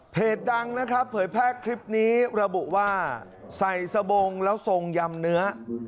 ดังนะครับเผยแพร่คลิปนี้ระบุว่าใส่สบงแล้วทรงยำเนื้อ